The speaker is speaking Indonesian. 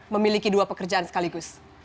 memiliki dua pekerjaan sekaligus